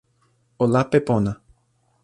o lape pona.